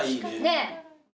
ねえ。